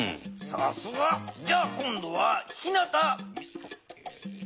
さすが。じゃあ今どはひなた。